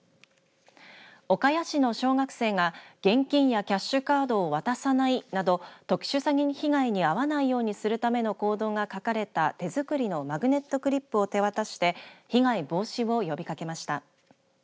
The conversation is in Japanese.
岡谷市の小学生が現金やキャッシュカードを渡さないなど特殊詐欺被害に遭わないようにするための行動が書かれた手作りのマグネットクリップを手渡して被害防止を呼びかけました。